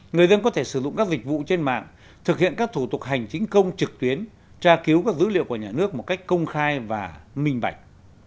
người dân có thể sử dụng các dịch vụ trên mạng thực hiện các thủ tục hành chính công trực tuyến tra cứu các dữ liệu của nhà nước một cách công khai và minh bạch